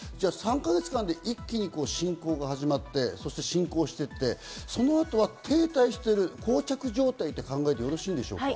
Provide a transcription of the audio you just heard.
３か月間で一気に侵攻が始まって、進行していって、その後は停滞している、膠着状態と考えてよろしいですか？